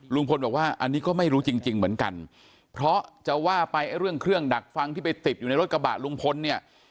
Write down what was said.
ลุงพลบอกว่าอันนี้ก็ไม่รู้จริงจริงเหมือนกันเพราะจะว่าไปเรื่องเครื่องดักฟังที่ไปติดอยู่ในรถกระบะลุงพลเนี่ย